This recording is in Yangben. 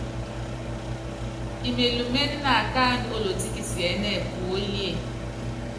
Imelúmené naakáandú olotí kisiɛ́nɛ́ puólíe.